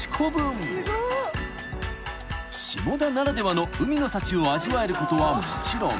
［下田ならではの海の幸を味わえることはもちろん］